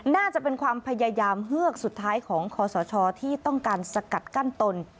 น่าจะเป็นความพยายามเฮือกสุดท้ายของคอสชที่ต้องการสกัดกั้นตน